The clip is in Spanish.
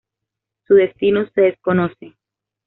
Su destino se desconoce.